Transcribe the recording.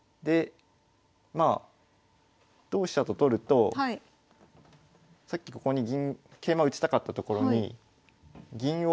まあ同飛車と取るとさっきここに銀桂馬打ちたかった所に銀を。